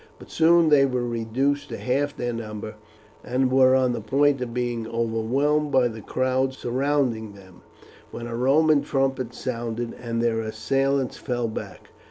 But soon they were reduced to half their number, and were on the point of being overwhelmed by the crowds surrounding them, when a Roman trumpet sounded and their assailants fell back.